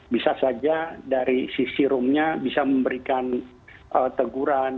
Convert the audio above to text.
bisa saja dari sisi roomnya bisa memberikan teguran